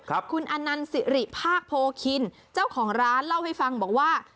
คุณอนันสิริภาคโพคินเจ้าของร้านเล่าให้ฟังบอกว่า